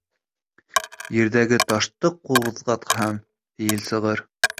Ерҙәге ташты ҡуҙғалтһаң, ел сығыр.